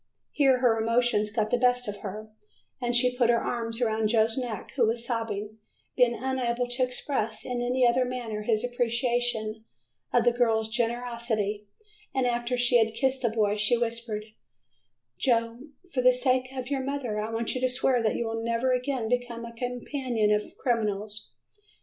Here her emotions got the best of her and she put her arms around Joe's neck, who was sobbing, being unable to express in any other manner his appreciation of the girl's generosity, and after she had kissed the boy she whispered: "Joe, for the sake of your mother I want you to swear that you will never again become a companion of criminals."